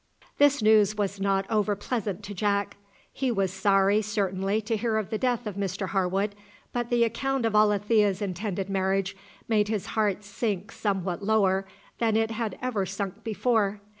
This news was not over pleasant to Jack. He was sorry, certainly, to hear of the death of Mr Harwood, but the account of Alethea's intended marriage made his heart sink somewhat lower than it had ever sunk before.